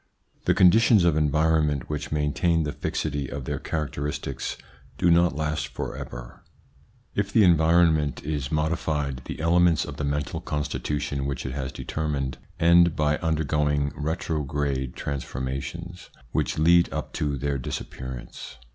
The con ditions of environment which maintain the fixity of their characteristics do not last for ever. If the 2J2 THE PSYCHOLOGY OF PEOPLES: environment is modified, the elements of the mental constitution which it has determined end by under going retrograde transformations which lead up to their disappearance.